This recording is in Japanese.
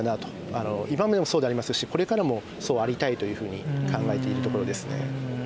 今までもそうでありますしこれからもそうありたいというふうに考えているところですね。